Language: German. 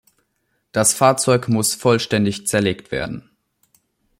Das Fahrzeug muss vollständig zerlegt werden.